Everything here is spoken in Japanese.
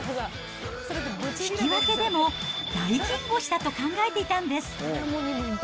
引き分けでも大金星だと考えていたんです。